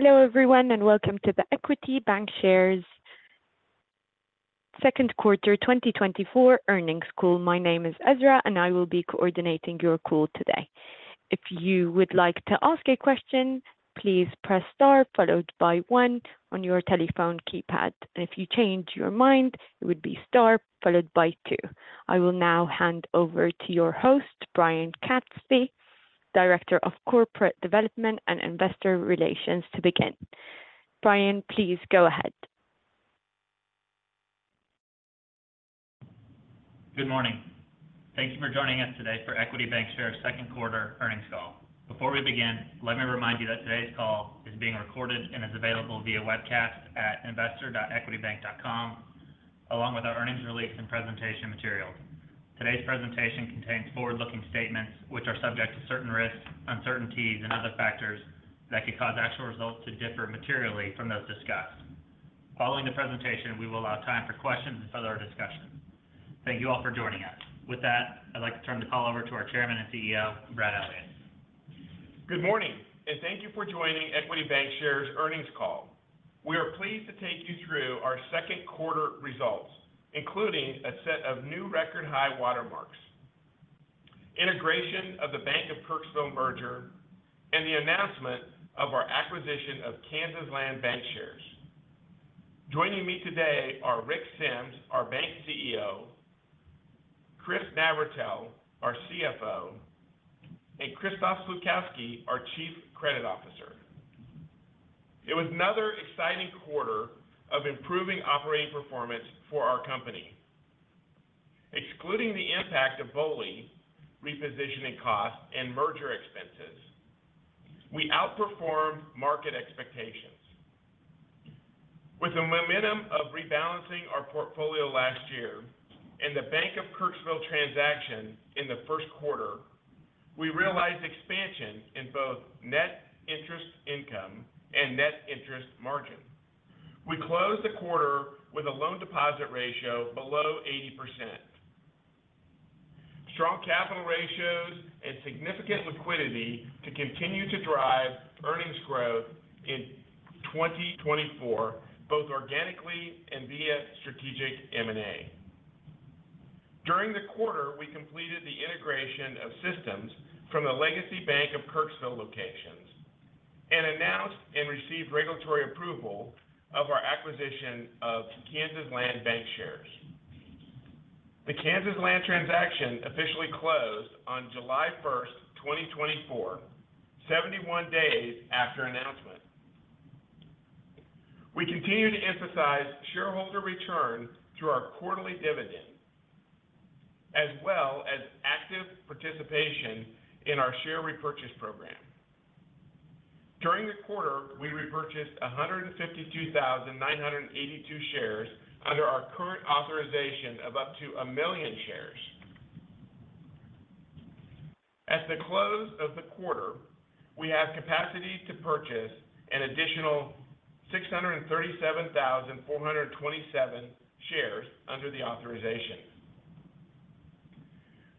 Hello, everyone, and welcome to the Equity Bancshares second quarter 2024 earnings call. My name is Ezra, and I will be coordinating your call today. If you would like to ask a question, please press star followed by one on your telephone keypad. And if you change your mind, it would be star followed by two. I will now hand over to your host, Brian Katzfey, Director of Corporate Development and Investor Relations, to begin. Brian, please go ahead. Good morning. Thank you for joining us today for Equity Bancshares' second quarter earnings call. Before we begin, let me remind you that today's call is being recorded and is available via webcast at investor.equitybank.com, along with our earnings release and presentation materials. Today's presentation contains forward-looking statements which are subject to certain risks, uncertainties, and other factors that could cause actual results to differ materially from those discussed. Following the presentation, we will allow time for questions and further discussion. Thank you all for joining us. With that, I'd like to turn the call over to our Chairman and CEO, Brad Elliott. Good morning, and thank you for joining Equity Bancshares earnings call. We are pleased to take you through our second quarter results, including a set of new record-high watermarks, integration of the Bank of Kirksville merger, and the announcement of our acquisition of KansasLand Bancshares. Joining me today are Rick Sems, our bank CEO, Chris Navratil, our CFO, and Krzysztof Slupkowski, our Chief Credit Officer. It was another exciting quarter of improving operating performance for our company. Excluding the impact of BOLI, repositioning costs, and merger expenses, we outperformed market expectations. With the momentum of rebalancing our portfolio last year and the Bank of Kirksville transaction in the first quarter, we realized expansion in both net interest income and net interest margin. We closed the quarter with a loan deposit ratio below 80%. Strong capital ratios and significant liquidity to continue to drive earnings growth in 2024, both organically and via strategic M&A. During the quarter, we completed the integration of systems from the legacy Bank of Kirksville locations and announced and received regulatory approval of our acquisition of KansasLand Bancshares. The KansasLand transaction officially closed on July 1st, 2024, 71 days after announcement. We continue to emphasize shareholder return through our quarterly dividend, as well as active participation in our share repurchase program. During the quarter, we repurchased 152,982 shares under our current authorization of up to 1 million shares. At the close of the quarter, we have capacity to purchase an additional 637,427 shares under the authorization.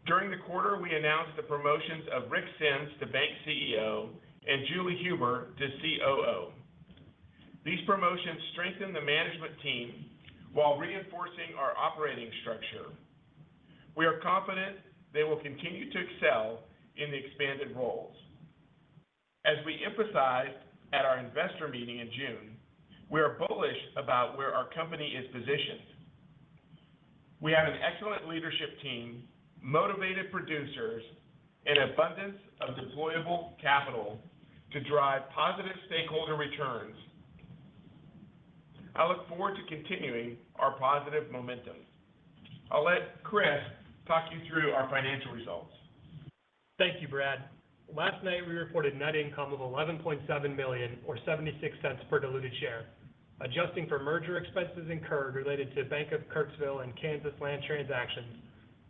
During the quarter, we announced the promotions of Rick Sems to bank CEO and Julie Huber to COO. These promotions strengthen the management team while reinforcing our operating structure. We are confident they will continue to excel in the expanded roles. As we emphasized at our investor meeting in June, we are bullish about where our company is positioned. We have an excellent leadership team, motivated producers, and an abundance of deployable capital to drive positive stakeholder returns. I look forward to continuing our positive momentum. I'll let Chris talk you through our financial results. Thank you, Brad. Last night, we reported net income of $11.7 million or $0.76 per diluted share. Adjusting for merger expenses incurred related to Bank of Kirksville and KansasLand transactions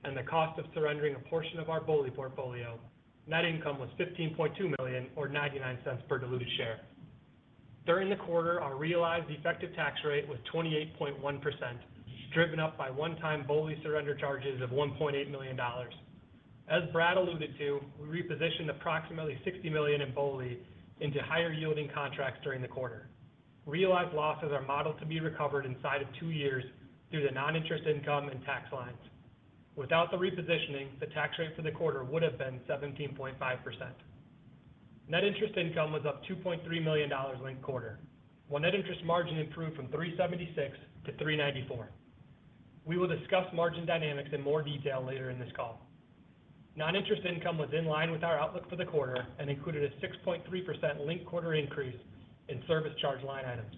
and the cost of surrendering a portion of our BOLI portfolio, net income was $15.2 million or $0.99 per diluted share. During the quarter, our realized effective tax rate was 28.1%, driven up by one-time BOLI surrender charges of $1.8 million. As Brad alluded to, we repositioned approximately $60 million in BOLI into higher-yielding contracts during the quarter. Realized losses are modeled to be recovered inside of two years through the non-interest income and tax lines. Without the repositioning, the tax rate for the quarter would have been 17.5%. Net interest income was up $2.3 million linked quarter, while net interest margin improved from 376 to 394. We will discuss margin dynamics in more detail later in this call. Non-interest income was in line with our outlook for the quarter and included a 6.3% linked quarter increase in service charge line items.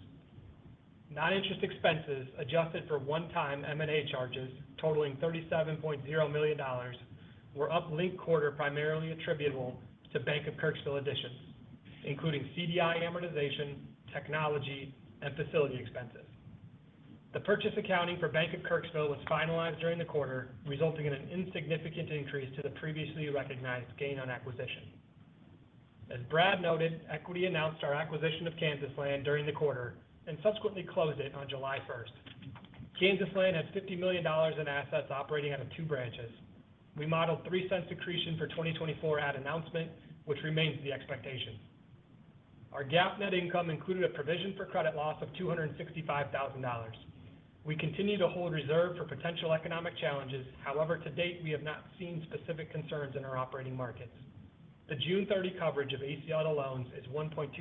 Non-interest expenses, adjusted for one-time M&A charges totaling $37.0 million, were up linked quarter, primarily attributable to Bank of Kirksville additions, including CDI amortization, technology, and facility expenses. The purchase accounting for Bank of Kirksville was finalized during the quarter, resulting in an insignificant increase to the previously recognized gain on acquisition. As Brad noted, Equity announced our acquisition of KansasLand during the quarter and subsequently closed it on July 1st. KansasLand has $50 million in assets operating out of two branches. We modeled $0.03 accretion for 2024 at announcement, which remains the expectation. Our GAAP net income included a provision for credit loss of $265,000. We continue to hold reserve for potential economic challenges. However, to date, we have not seen specific concerns in our operating markets. The June 30 coverage of ACL on loans is 1.26%.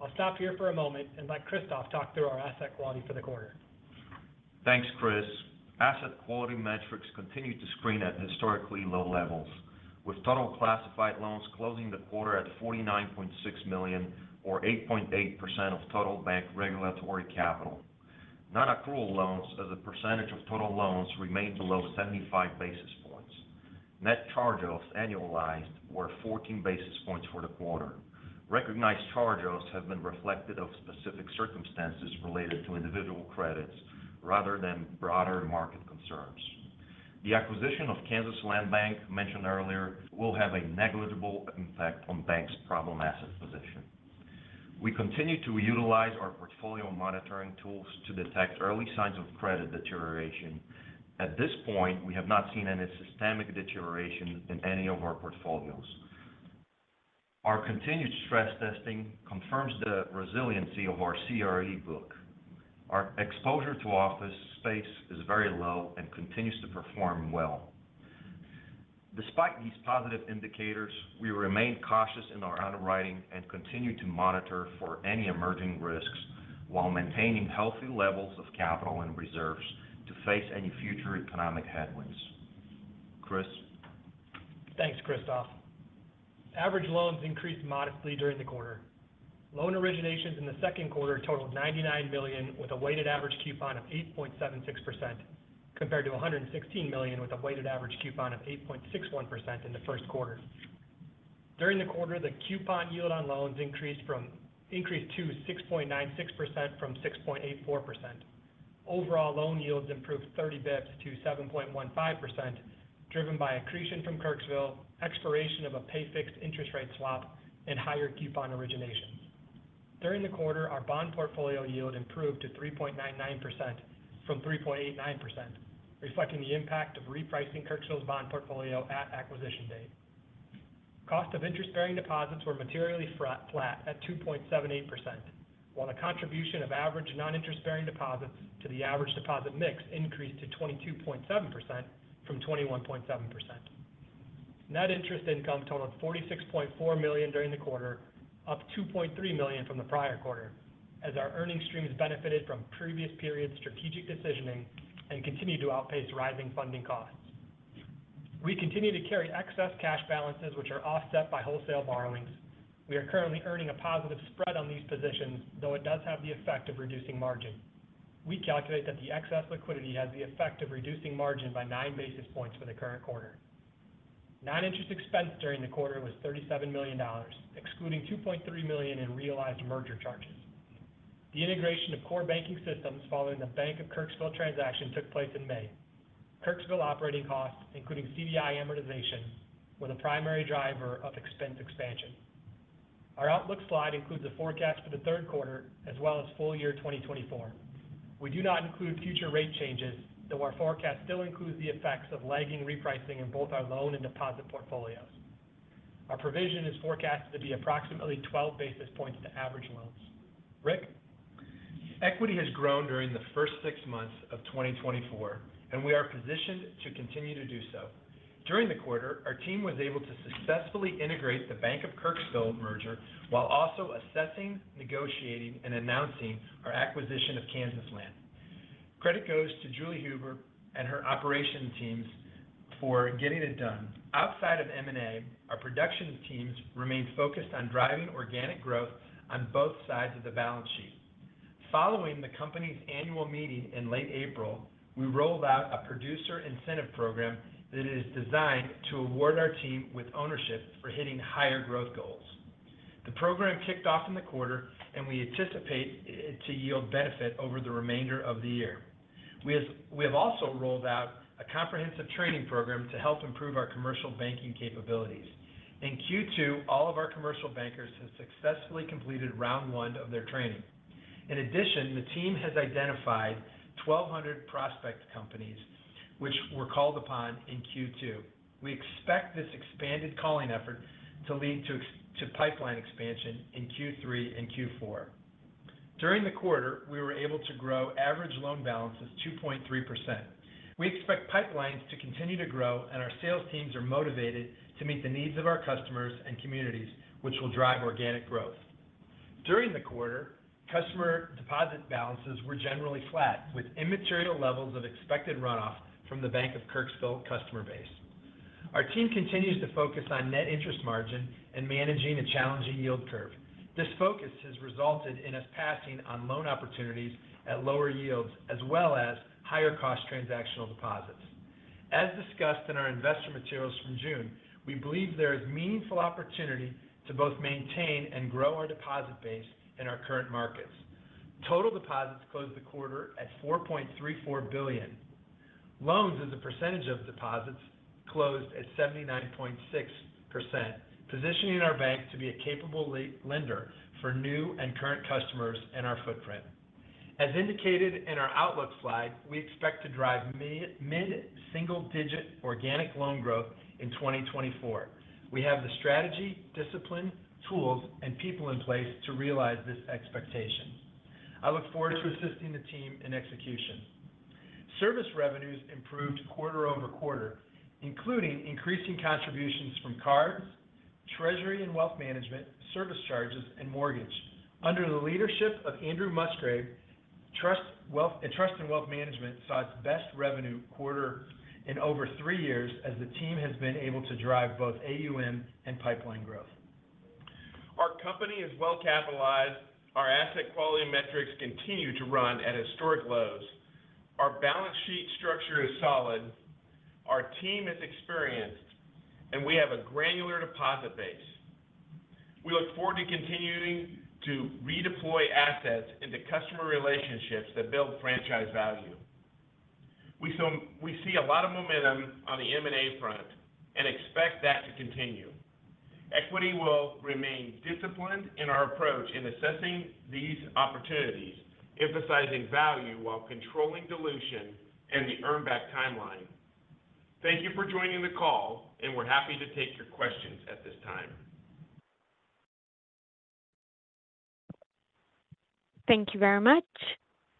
I'll stop here for a moment and let Krzysztof talk through our asset quality for the quarter. Thanks, Chris. Asset quality metrics continue to screen at historically low levels, with total classified loans closing the quarter at $49.6 million, or 8.8% of total bank regulatory capital. Non-accrual loans as a percentage of total loans remained below 75 basis points. Net charge-offs annualized were 14 basis points for the quarter. Recognized charge-offs have been reflected of specific circumstances related to individual credits rather than broader market concerns. The acquisition of KansasLand Bank, mentioned earlier, will have a negligible impact on bank's problem asset position. We continue to utilize our portfolio monitoring tools to detect early signs of credit deterioration. At this point, we have not seen any systemic deterioration in any of our portfolios. Our continued stress testing confirms the resiliency of our CRE book. Our exposure to office space is very low and continues to perform well. Despite these positive indicators, we remain cautious in our underwriting and continue to monitor for any emerging risks while maintaining healthy levels of capital and reserves to face any future economic headwinds. Chris? Thanks, Krzysztof. Average loans increased modestly during the quarter. Loan originations in the second quarter totaled $99 million, with a weighted average coupon of 8.76%, compared to $116 million, with a weighted average coupon of 8.61% in the first quarter. During the quarter, the coupon yield on loans increased to 6.96% from 6.84%. Overall, loan yields improved 30 basis points to 7.15%, driven by accretion from Kirksville, expiration of a pay-fixed interest rate swap, and higher coupon originations. During the quarter, our bond portfolio yield improved to 3.99% from 3.89%, reflecting the impact of repricing Kirksville's bond portfolio at acquisition date. Cost of interest-bearing deposits were materially flat at 2.78%, while the contribution of average non-interest-bearing deposits to the average deposit mix increased to 22.7% from 21.7%. Net interest income totaled $46.4 million during the quarter, up $2.3 million from the prior quarter, as our earnings streams benefited from previous period's strategic decisioning and continued to outpace rising funding costs. We continue to carry excess cash balances, which are offset by wholesale borrowings. We are currently earning a positive spread on these positions, though it does have the effect of reducing margin. We calculate that the excess liquidity has the effect of reducing margin by 9 basis points for the current quarter. Non-interest expense during the quarter was $37 million, excluding $2.3 million in realized merger charges. The integration of core banking systems following the Bank of Kirksville transaction took place in May. Kirksville operating costs, including CDI amortization, were the primary driver of expense expansion. Our outlook slide includes a forecast for the third quarter as well as full year 2024. We do not include future rate changes, though our forecast still includes the effects of lagging repricing in both our loan and deposit portfolios. Our provision is forecasted to be approximately 12 basis points to average loans. Rick? Equity has grown during the first six months of 2024, and we are positioned to continue to do so. During the quarter, our team was able to successfully integrate the Bank of Kirksville merger while also assessing, negotiating, and announcing our acquisition of KansasLand. Credit goes to Julie Huber and her operations teams for getting it done. Outside of M&A, our production teams remain focused on driving organic growth on both sides of the balance sheet. Following the company's annual meeting in late April, we rolled out a producer incentive program that is designed to award our team with ownership for hitting higher growth goals. The program kicked off in the quarter, and we anticipate it to yield benefit over the remainder of the year. We have, we have also rolled out a comprehensive training program to help improve our commercial banking capabilities. In Q2, all of our commercial bankers have successfully completed round one of their training. In addition, the team has identified 1,200 prospect companies which were called upon in Q2. We expect this expanded calling effort to lead to pipeline expansion in Q3 and Q4. During the quarter, we were able to grow average loan balances 2.3%. We expect pipelines to continue to grow, and our sales teams are motivated to meet the needs of our customers and communities, which will drive organic growth. During the quarter, customer deposit balances were generally flat, with immaterial levels of expected runoff from the Bank of Kirksville customer base. Our team continues to focus on net interest margin and managing a challenging yield curve. This focus has resulted in us passing on loan opportunities at lower yields, as well as higher cost transactional deposits. As discussed in our investor materials from June, we believe there is meaningful opportunity to both maintain and grow our deposit base in our current markets. Total deposits closed the quarter at $4.34 billion. Loans as a percentage of deposits closed at 79.6%, positioning our bank to be a capable lender for new and current customers in our footprint. As indicated in our outlook slide, we expect to drive mid-single-digit organic loan growth in 2024. We have the strategy, discipline, tools, and people in place to realize this expectation. I look forward to assisting the team in execution. Service revenues improved quarter-over-quarter, including increasing contributions from cards, treasury and wealth management, service charges, and mortgage. Under the leadership of Andrew Musgrave, Trust and Wealth Management saw its best revenue quarter in over three years as the team has been able to drive both AUM and pipeline growth. Our company is well capitalized. Our asset quality metrics continue to run at historic lows. Our balance sheet structure is solid, our team is experienced, and we have a granular deposit base. We look forward to continuing to redeploy assets into customer relationships that build franchise value. We see a lot of momentum on the M&A front and expect that to continue. Equity will remain disciplined in our approach in assessing these opportunities, emphasizing value while controlling dilution and the earn back timeline. Thank you for joining the call, and we're happy to take your questions at this time. Thank you very much.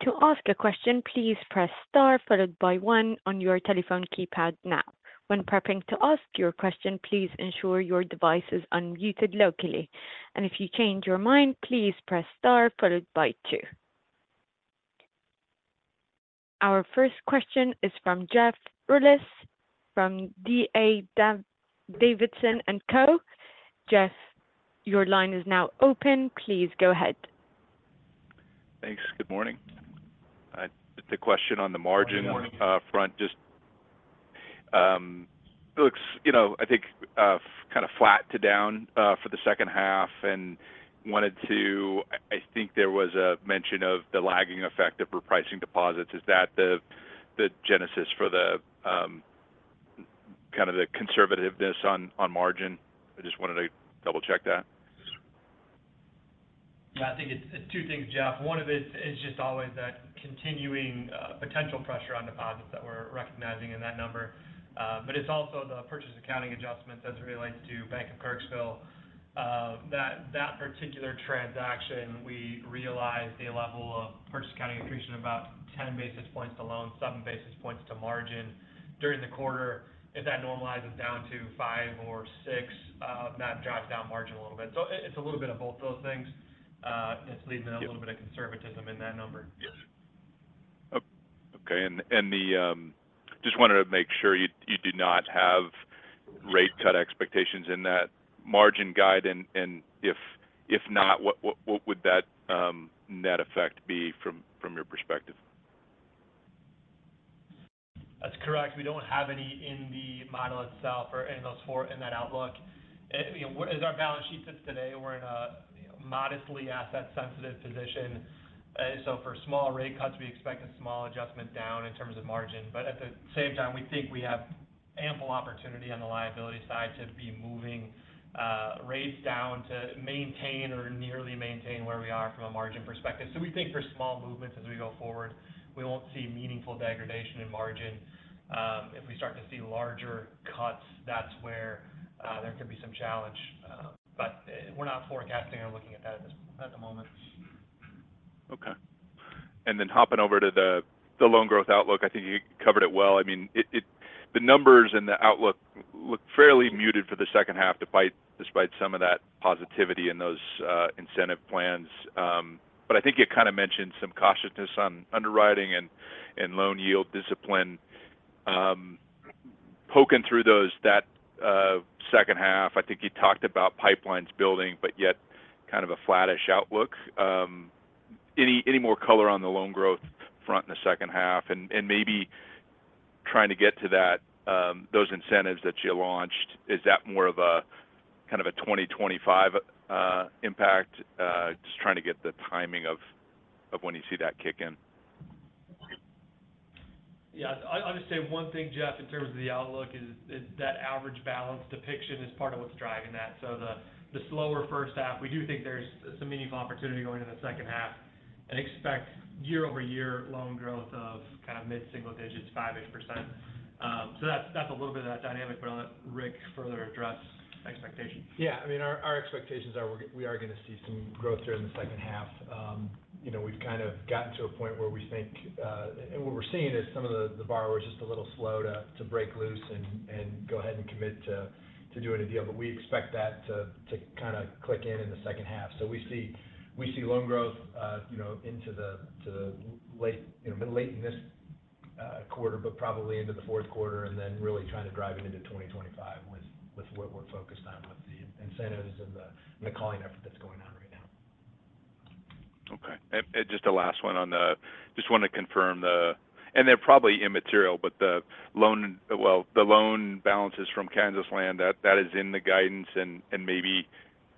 To ask a question, please press star, followed by one on your telephone keypad now. When prepping to ask your question, please ensure your device is unmuted locally, and if you change your mind, please press star followed by two. Our first question is from Jeff Rulis from DA Davidson & Co. Jeff, your line is now open. Please go ahead. Thanks. Good morning. I just a question on the margin front. Just, it looks, you know, I think, kind of flat to down, for the second half and wanted to... I think there was a mention of the lagging effect of repricing deposits. Is that the genesis for the kind of the conservativeness on margin? I just wanted to double-check that. I think it's, it's two things, Jeff. One of it is just always that continuing potential pressure on deposits that we're recognizing in that number. But it's also the purchase accounting adjustment as it relates to Bank of Kirksville. That, that particular transaction, we realized a level of purchase accounting accretion of about 10 basis points to loans, 7 basis points to margin during the quarter. If that normalizes down to five or six, that drives down margin a little bit. So it, it's a little bit of both those things. It's leading to a little bit of conservatism in that number. Yes. Okay, and just wanted to make sure you do not have rate cut expectations in that margin guide. And if not, what would that net effect be from your perspective? That's correct. We don't have any in the model itself or in those four in that outlook. It, you know, as our balance sheet sits today, we're in a modestly asset-sensitive position. So for small rate cuts, we expect a small adjustment down in terms of margin. But at the same time, we think we have ample opportunity on the liability side to be moving rates down to maintain or nearly maintain where we are from a margin perspective. So we think for small movements as we go forward, we won't see meaningful degradation in margin. If we start to see larger cuts, that's where there could be some challenge, but we're not forecasting or looking at that at the moment. Okay. And then hopping over to the loan growth outlook. I think you covered it well. I mean, the numbers and the outlook look fairly muted for the second half, despite some of that positivity and those incentive plans. But I think you kind of mentioned some cautiousness on underwriting and loan yield discipline. Poking through that second half, I think you talked about pipelines building, but yet kind of a flattish outlook. Any more color on the loan growth front in the second half? And maybe trying to get to those incentives that you launched, is that more of a kind of a 2025 impact? Just trying to get the timing of when you see that kick in. Yeah, I'll just say one thing, Jeff, in terms of the outlook: is that average balance depiction is part of what's driving that. So the slower first half, we do think there's some meaningful opportunity going in the second half and expect year-over-year loan growth of kind of mid-single digits, 5%-ish. So that's a little bit of that dynamic, but I'll let Rick further address expectations. Yeah, I mean, our expectations are we are going to see some growth there in the second half. You know, we've kind of gotten to a point where we think... And what we're seeing is some of the borrowers are just a little slow to break loose and go ahead and commit to do any deal. But we expect that to kind of click in in the second half. So we see loan growth, you know, into the late, you know, late in this quarter, but probably into the fourth quarter, and then really trying to drive it into 2025 with what we're focused on with the incentives and the calling effort that's going on right now. Okay. And just a last one on the—just want to confirm the. And they're probably immaterial, but the loan—well, the loan balances from KansasLand, that is in the guidance and maybe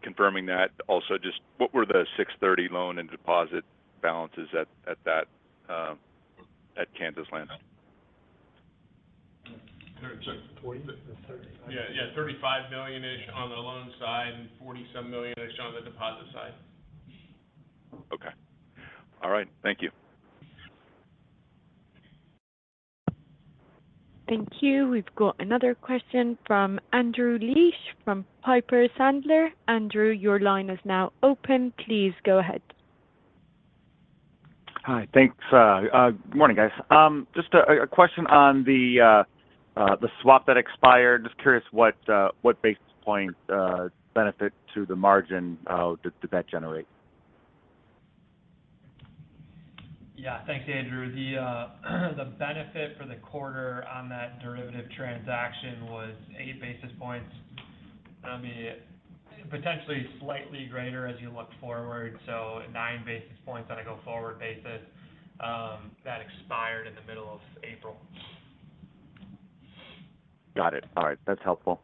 confirming that. Also, just what were the 6/30 loan and deposit balances at that KansasLand? 20 or 30? Yeah. Yeah, $35 million-ish on the loan side, and $40-some million-ish on the deposit side. Okay. All right. Thank you. Thank you. We've got another question from Andrew Liesch, from Piper Sandler. Andrew, your line is now open. Please go ahead. Hi. Thanks, good morning, guys. Just a question on the swap that expired. Just curious what basis points benefit to the margin did that generate? Yeah. Thanks, Andrew. The benefit for the quarter on that derivative transaction was 8 basis points. I mean, potentially slightly greater as you look forward, so 9 basis points on a go-forward basis, that expired in the middle of April. Got it. All right, that's helpful.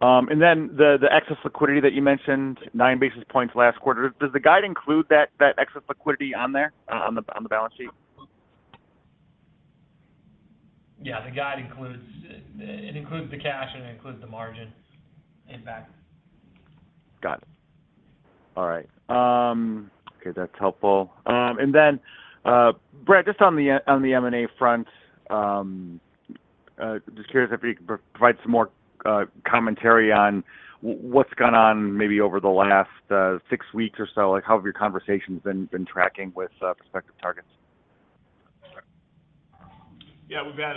And then the, the excess liquidity that you mentioned, nine basis points last quarter, does the guide include that, that excess liquidity on there, on the, on the balance sheet? Yeah, the guide includes the cash, and it includes the margin impact. Got it. All right. Okay, that's helpful. And then, Brad, just on the M&A front, just curious if you could provide some more commentary on what's gone on, maybe over the last six weeks or so. Like, how have your conversations been tracking with prospective targets? Yeah, we've got,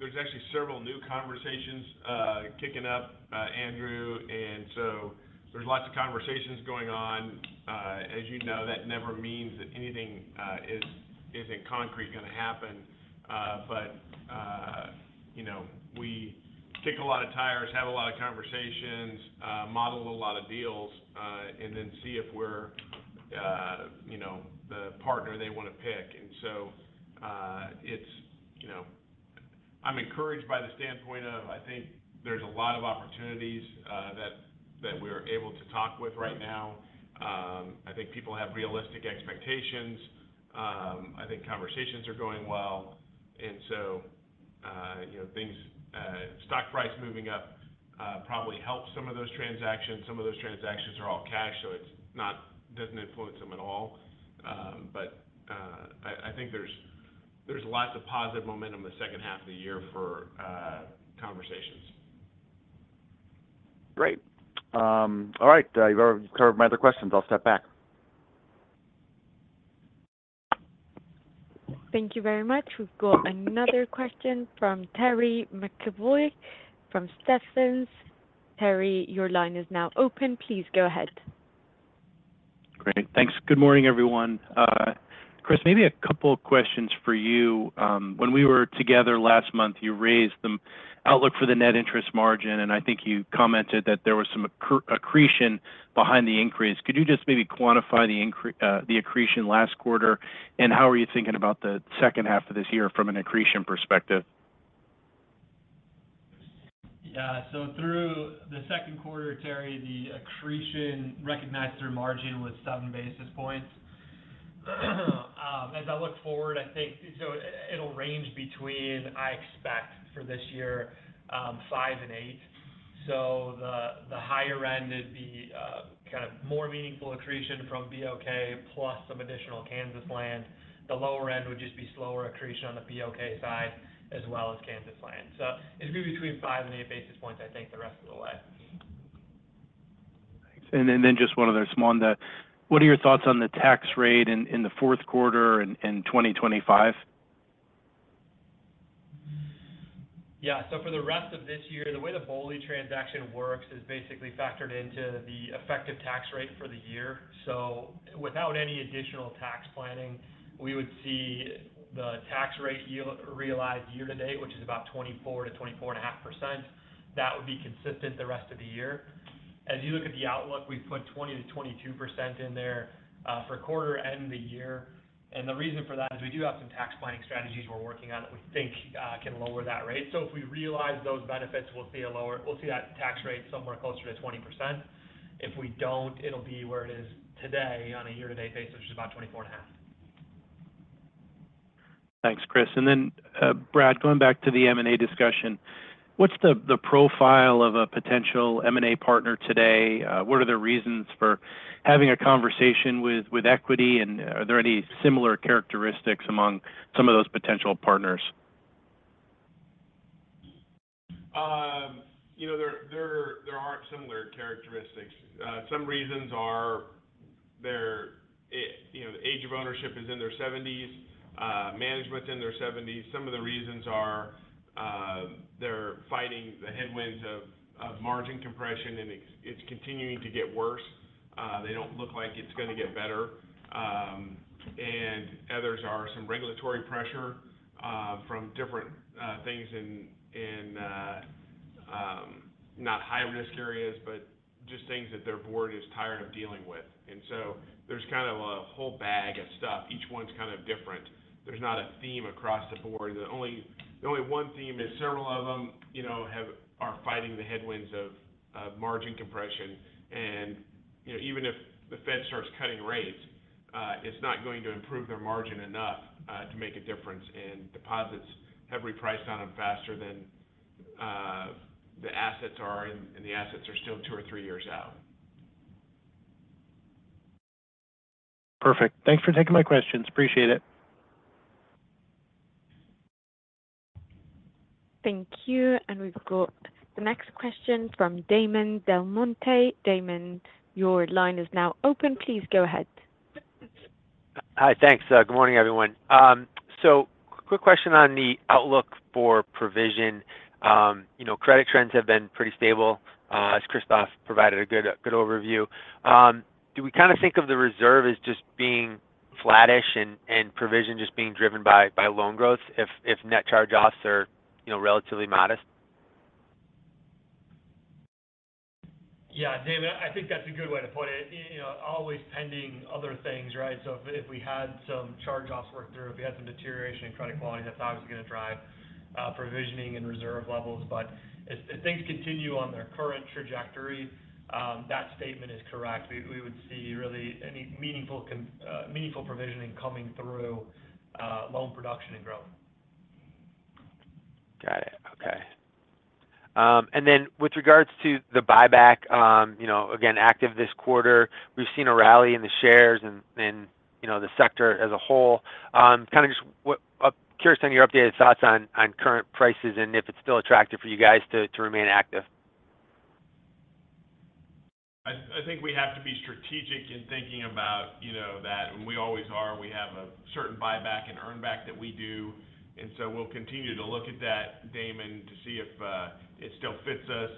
there's actually several new conversations kicking up, Andrew, and so there's lots of conversations going on. As you know, that never means that anything is, is in concrete going to happen. But, you know, we kick a lot of tires, have a lot of conversations, model a lot of deals, and then see if we're, you know, the partner they want to pick. And so, it's, you know, I'm encouraged by the standpoint of I think there's a lot of opportunities that, that we're able to talk with right now. I think people have realistic expectations. I think conversations are going well. And so, you know, things, stock price moving up, probably helps some of those transactions. Some of those transactions are all cash, so it doesn't influence them at all. But I think there's lots of positive momentum in the second half of the year for conversations. Great. All right, you've already covered my other questions. I'll step back. Thank you very much. We've got another question from Terry McEvoy, from Stephens. Terry, your line is now open. Please go ahead. Great. Thanks. Good morning, everyone. Chris, maybe a couple of questions for you. When we were together last month, you raised the outlook for the net interest margin, and I think you commented that there was some accretion behind the increase. Could you just maybe quantify the accretion last quarter, and how are you thinking about the second half of this year from an accretion perspective? Yeah. So through the second quarter, Terry, the accretion recognized through margin was 7 basis points. As I look forward, I think—so it'll range between, I expect for this year, five and eight. So the higher end is the kind of more meaningful accretion from BOK, plus some additional KansasLand. The lower end would just be slower accretion on the BOK side, as well as KansasLand. So it's going to be between 5 and 8 basis points, I think, the rest of the way. Thanks. And then just one other small one. What are your thoughts on the tax rate in the fourth quarter in 2025? Yeah. So for the rest of this year, the way the BOLI transaction works is basically factored into the effective tax rate for the year. So without any additional tax planning, we would see the tax rate yield realized year to date, which is about 24%-24.5%. That would be consistent the rest of the year. As you look at the outlook, we've put 20%-22% in there, for quarter end of the year. And the reason for that is we do have some tax planning strategies we're working on that we think, can lower that rate. So if we realize those benefits, we'll see that tax rate somewhere closer to 20%. If we don't, it'll be where it is today on a year-to-date basis, which is about 24.5%. Thanks, Chris. And then, Brad, going back to the M&A discussion, what's the profile of a potential M&A partner today? What are the reasons for having a conversation with Equity? And are there any similar characteristics among some of those potential partners? You know, there are similar characteristics. Some reasons are there, you know, the age of ownership is in their 70s, management's in their 70s. Some of the reasons are, they're fighting the headwinds of margin compression, and it's continuing to get worse. They don't look like it's going to get better. And others are some regulatory pressure, from different things in not high-risk areas, but just things that their board is tired of dealing with. And so there's kind of a whole bag of stuff. Each one's kind of different. There's not a theme across the board. The only one theme is several of them, you know, are fighting the headwinds of margin compression. You know, even if the Fed starts cutting rates, it's not going to improve their margin enough to make a difference. Deposits have repriced on them faster than the assets are, and the assets are still two or three years out. Perfect. Thanks for taking my questions. Appreciate it. Thank you. And we've got the next question from Damon DelMonte. Damon, your line is now open. Please go ahead. Hi. Thanks. Good morning, everyone. So quick question on the outlook for provision. You know, credit trends have been pretty stable, as Krzysztof provided a good overview. Do we kind of think of the reserve as just being flattish and provision just being driven by loan growth, if net charge-offs are, you know, relatively modest? Yeah, Damon, I think that's a good way to put it. You know, always pending other things, right? So if, if we had some charge-offs work through, if we had some deterioration in credit quality, that's obviously going to drive provisioning and reserve levels. But if, if things continue on their current trajectory, that statement is correct. We would see really any meaningful provisioning coming through loan production and growth. Got it. Okay. And then with regards to the buyback, you know, again, active this quarter, we've seen a rally in the shares and, you know, the sector as a whole. Kind of just curious on your updated thoughts on current prices and if it's still attractive for you guys to remain active. I think we have to be strategic in thinking about, you know, that, and we always are. We have a certain buyback and earn back that we do, and so we'll continue to look at that, Damon, to see if it still fits us.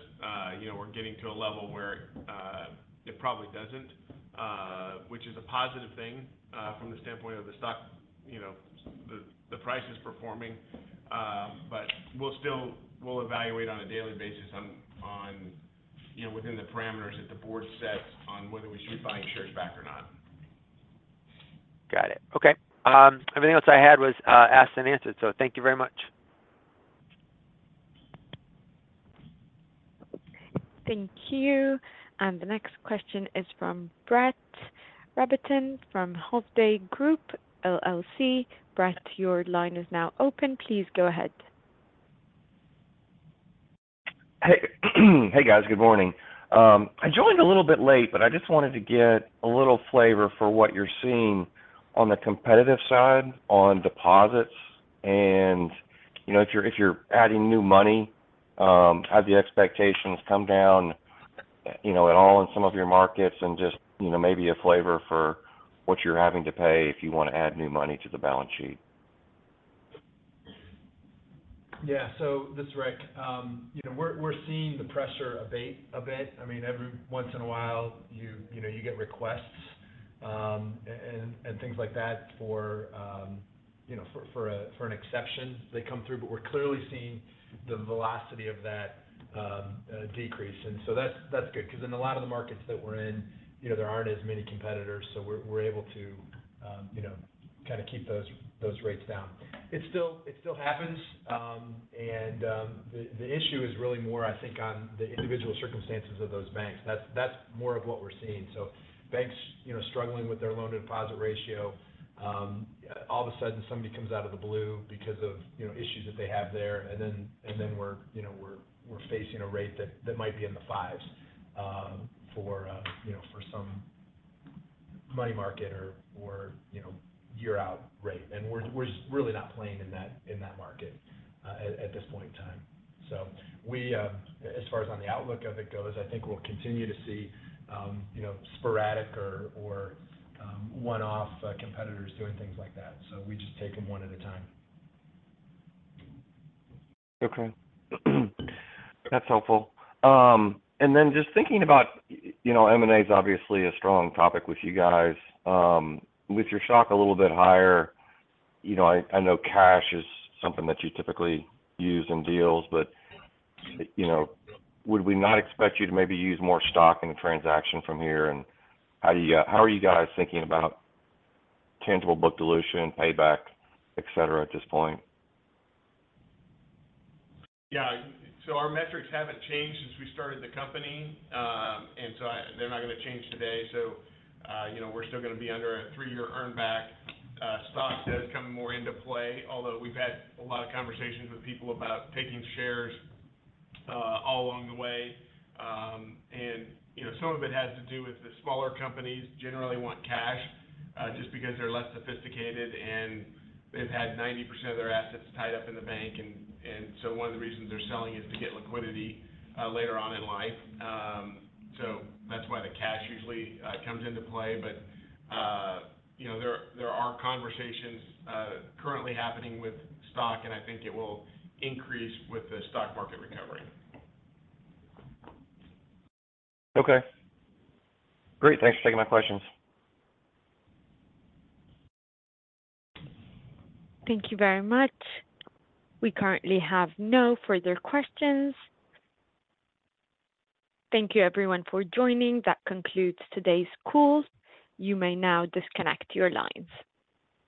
You know, we're getting to a level where it probably doesn't, which is a positive thing from the standpoint of the stock. You know, the price is performing. But we'll still evaluate on a daily basis, you know, within the parameters that the board sets on whether we should be buying shares back or not. Got it. Okay. Everything else I had was asked and answered, so thank you very much. Thank you. The next question is from Brett Rabatin, from Hovde Group LLC. Brett, your line is now open. Please go ahead. Hey, hey, guys. Good morning. I joined a little bit late, but I just wanted to get a little flavor for what you're seeing on the competitive side on deposits. And, you know, if you're adding new money, have the expectations come down, you know, at all in some of your markets? And just, you know, maybe a flavor for what you're having to pay if you want to add new money to the balance sheet. Yeah. So this is Rick. You know, we're seeing the pressure abate a bit. I mean, every once in a while, you know, you get requests and things like that for an exception that come through. But we're clearly seeing the velocity of that decrease. And so that's good, because in a lot of the markets that we're in, you know, there aren't as many competitors, so we're able to, you know, kind of keep those rates down. It still happens. And the issue is really more, I think, on the individual circumstances of those banks. That's more of what we're seeing. So banks, you know, struggling with their loan-to-deposit ratio, all of a sudden, somebody comes out of the blue because of, you know, issues that they have there. And then we're, you know, facing a rate that might be in the fives, for, you know, for some money market or, you know, year-out rate. And we're really not playing in that market, at this point in time. So we, as far as on the outlook of it goes, I think we'll continue to see, you know, sporadic or, one-off, competitors doing things like that. So we just take them one at a time. Okay. That's helpful. And then just thinking about, you know, M&A is obviously a strong topic with you guys. With your stock a little bit higher, you know, I know cash is something that you typically use in deals, but, you know, would we not expect you to maybe use more stock in the transaction from here? And how are you guys thinking about tangible book dilution, payback, et cetera, at this point? Yeah. So our metrics haven't changed since we started the company. They're not going to change today. So, you know, we're still going to be under a three-year earn back. Stock does come more into play, although we've had a lot of conversations with people about taking shares all along the way. And, you know, some of it has to do with the smaller companies generally want cash just because they're less sophisticated, and they've had 90% of their assets tied up in the bank. And so one of the reasons they're selling is to get liquidity later on in life. So that's why the cash usually comes into play. But, you know, there are conversations currently happening with stock, and I think it will increase with the stock market recovery. Okay. Great. Thanks for taking my questions. Thank you very much. We currently have no further questions. Thank you, everyone, for joining. That concludes today's call. You may now disconnect your lines.